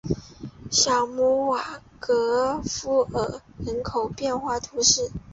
小穆瓦厄夫尔人口变化图示